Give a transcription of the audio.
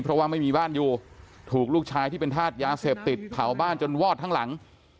เพราะว่าไม่มีบ้านอยู่ถูกลูกชายที่เป็นธาตุยาเสพติดเผาบ้านจนวอดทั้งหลัง